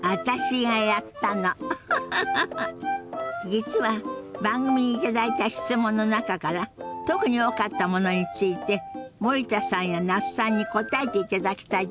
実は番組に頂いた質問の中から特に多かったものについて森田さんや那須さんに答えていただきたいと思って。